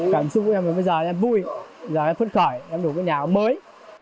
cảm xúc của em bây giờ em vui bây giờ em phức khởi em đủ cái nhà ấm mới